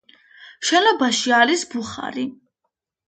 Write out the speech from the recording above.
შენობაში არის ბუხარი.